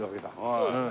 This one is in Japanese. そうですね。